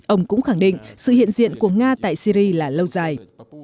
ông cũng khẳng định sự hiện diện của nga tại syri là lâu dài